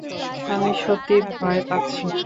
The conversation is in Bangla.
আমি সত্যিই ভয় পাচ্ছি!